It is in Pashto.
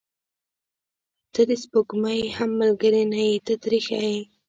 • ته د سپوږمۍ هم ملګرې نه یې، ته ترې ښه یې.